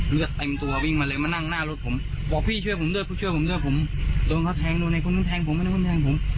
เมื่อพี่เห็นมั้ยรถให้กี่คนอะ